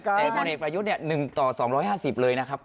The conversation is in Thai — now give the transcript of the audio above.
แต่พลเอกประยุทธ์๑ต่อ๒๕๐เลยนะครับ